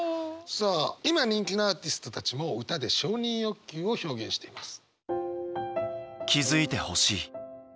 さあ今人気のアーティストたちも歌で承認欲求を表現しています。